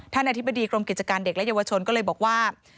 อธิบดีกรมกิจการเด็กและเยาวชนก็เลยบอกว่า